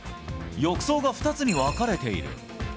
浴槽が２つに分かれている。